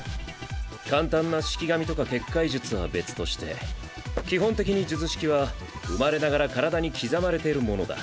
簡単な式神とか結界術は別として基本的に術式は生まれながら体に刻まれてるものだ。